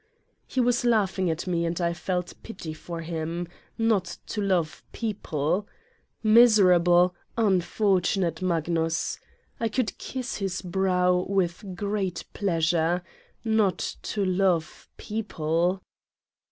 He was laughing at me and I felt pity for him : not to love people ! Miserable, unfortunate Mag nus. I could kiss his brow with great pleasure! Not to love people